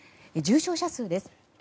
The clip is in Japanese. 重症者数です。